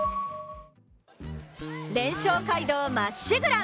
連勝街道まっしぐら。